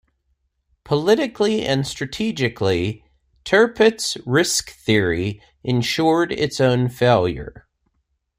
Politically and strategically, Tirpitz's Risk Theory ensured its own failure.